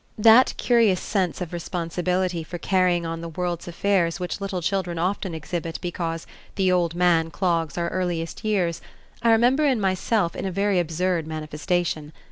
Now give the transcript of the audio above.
That curious sense of responsibility for carrying on the world's affairs which little children often exhibit because "the old man clogs our earliest years," I remember in myself in a very absurd manifestation.